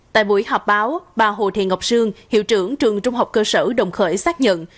tại buổi họp báo bà hồ thị ngọc sương hiệu trưởng trường trung học cơ sở đồng khởi xác nhận